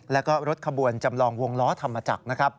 และรถขบวนจำลองวงล้อธรรมจักร